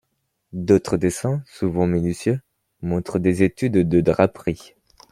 D'autres dessins, souvent minutieux, montrent des études de draperies.